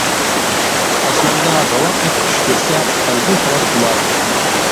ئاسماندا راۋاق ئېتىپ چۈش كۆرسە، غەمدىن خالاس بولار.